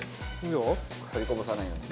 取りこぼさないように。